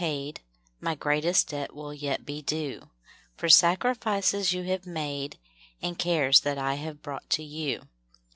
'* 7^0 My greatest debt will yet be due For sacrifices you bave made And cares that I have brought to you.